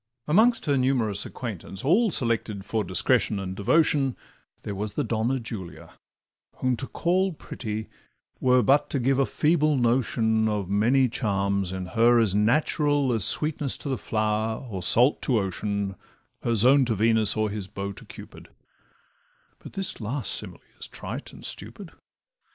Amongst her numerous acquaintance, all Selected for discretion and devotion, There was the Donna Julia, whom to call Pretty were but to give a feeble notion Of many charms in her as natural As sweetness to the flower, or salt to ocean, Her zone to Venus, or his bow to Cupid (But this last simile is trite and stupid).